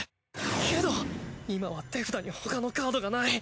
けど今は手札に他のカードがない。